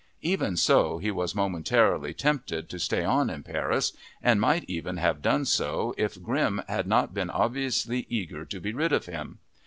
Even so, he was momentarily tempted to stay on in Paris and might even have done so if Grimm had not been obviously eager to be rid of him.